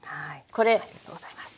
ありがとうございます。